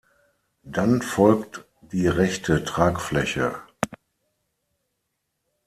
Dann folgt die rechte Tragfläche.